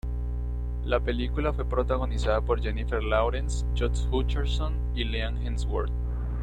La película fue protagonizada por Jennifer Lawrence, Josh Hutcherson y Liam Hemsworth.